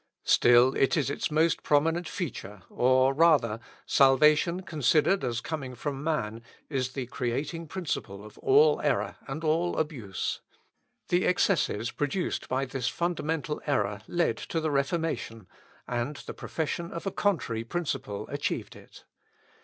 Still it is its most prominent feature, or rather, salvation considered as coming from man is the creating principle of all error and all abuse. The excesses produced by this fundamental error led to the Reformation, and the profession of a contrary principle achieved it.